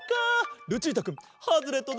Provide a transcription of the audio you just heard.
ルチータくんハズレットだ！